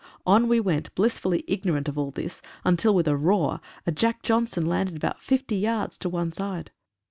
On we went blissfully ignorant of all this until with a roar, a "Jack Johnson," landed about fifty yards to one side.